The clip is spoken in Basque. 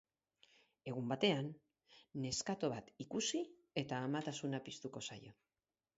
Egun batean, neskato bat ikusi, eta amatasuna piztuko zaio.